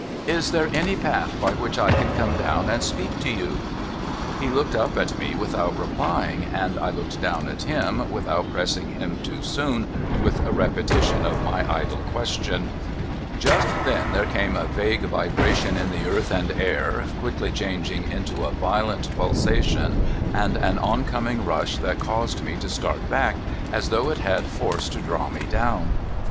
' Is there any path by which I can come down and speak to you ?' He looked up at me without replying, and I looked down at him without pressing him too soon with a repetition of my idle question. Just then there came a vague vibration in the earth and air, quickly changing into a violent pulsation, and an oncoming rush that caused me to start back, as though it had force to draw me down.